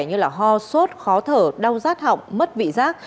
như ho sốt khó thở đau rát họng mất vị giác